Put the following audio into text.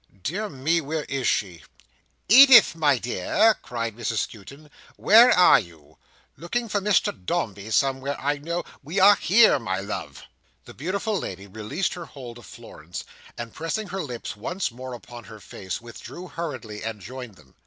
Dear me, where is she?" "Edith, my dear!" cried Mrs Skewton, "where are you? Looking for Mr Dombey somewhere, I know. We are here, my love." The beautiful lady released her hold of Florence, and pressing her lips once more upon her face, withdrew hurriedly, and joined them.